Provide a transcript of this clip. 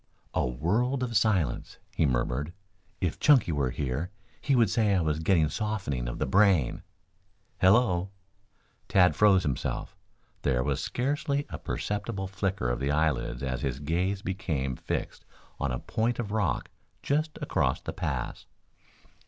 "A world of silence," he murmured. "If Chunky were here he would say I was getting softening of the brain. Hello!" Tad froze himself. There was scarcely a perceptible flicker of the eyelids as his gaze became fixed on a point of rock just across the pass.